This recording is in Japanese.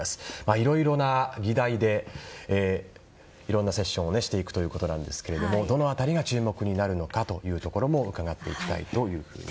いろいろな議題でいろんなセッションをしていくということですがどの辺りが注目になるのかというところも伺っていきたいと思います。